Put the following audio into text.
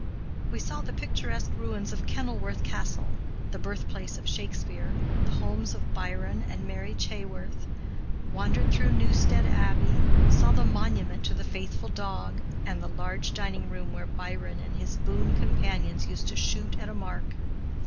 We saw the picturesque ruins of Kenilworth Castle, the birthplace of Shakespeare, the homes of Byron and Mary Chaworth, wandered through Newstead Abbey, saw the monument to the faithful dog, and the large dining room where Byron and his boon companions used to shoot at a mark.